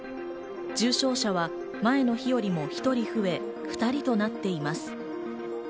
重症者は前の日よりも１人増え、２人となっています。